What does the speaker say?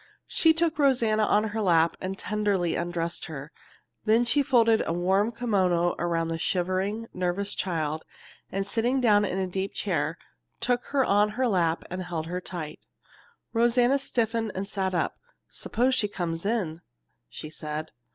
She took Rosanna on her lap and tenderly undressed her. Then she folded a warm kimono around the shivering, nervous child and, sitting down in a deep chair, took her on her lap and held her tight. Rosanna stiffened and sat up. "Suppose she comes in?" she said.